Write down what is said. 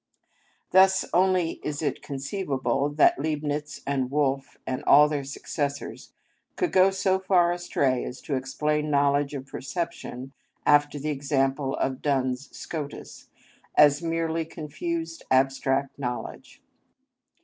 Thus only is it conceivable that Leibnitz and Wolf and all their successors could go so far astray as to explain knowledge of perception, after the example of Duns Scotus, as merely confused abstract knowledge!